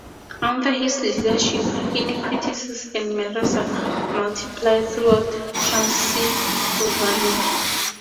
Under his leadership, iniquities and murders are multiplied throughout Transylvania.